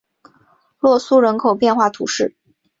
洛苏人口变化图示